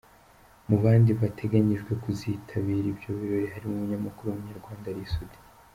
Mu bandi bateganijwe kuzitabira ibyo birori harimo umunyamakuru w’Umunyarwanda Ally Soudy.